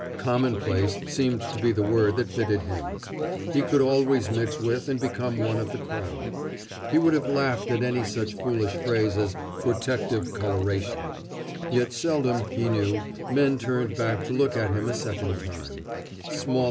Commonplace seemed to be the word that fitted him. He could always mix with and become one of the crowd. He would have laughed at any such foolish phrase as "protective coloration." Yet seldom, he knew, men turned back to look at him a second time.